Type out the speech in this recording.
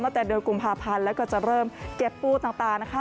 ตั้งแต่เดือนกุมภาพันธ์แล้วก็จะเริ่มเก็บปูต่างนะคะ